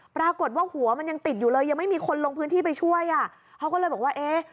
ปรากฏว่าหัวมันยังติดอยู่เลยยังไม่มีคนลงพื้นที่ไปช่วยอ่ะเขาก็เลยบอกว่าเอ๊ะ